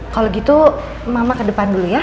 kalau gitu mama ke depan dulu ya